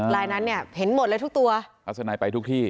ลายนั้นเนี่ยเห็นหมดเลยทุกตัวทัศนัยไปทุกที่